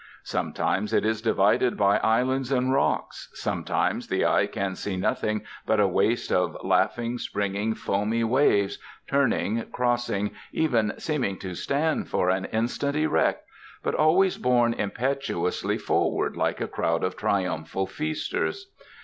Sometimes it is divided by islands and rocks, sometimes the eye can see nothing but a waste of laughing, springing, foamy waves, turning, crossing, even seeming to stand for an instant erect, but always borne impetuously forward like a crowd of triumphant feasters.